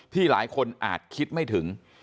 หลายคนอาจคิดไม่ถึง